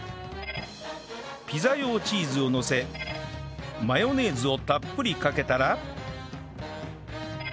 ピザ用チーズをのせマヨネーズをたっぷりかけたら